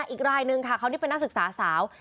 อีกรายนึงค่ะเขานี่เป็นนักศึกษาสาว